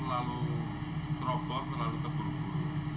terlalu serobor terlalu tebur tebur